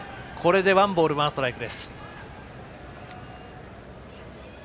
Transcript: ワンボール、ワンストライク。